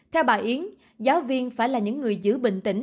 theo bà yến giáo viên phải là những người giữ bình tĩnh